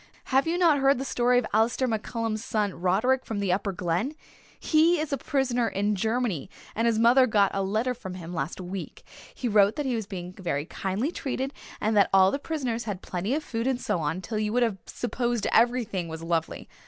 Have you not heard the story of Alistair MacCallum's son Roderick, from the Upper Glen? He is a prisoner in Germany and his mother got a letter from him last week. He wrote that he was being very kindly treated and that all the prisoners had plenty of food and so on, till you would have supposed everything was lovely.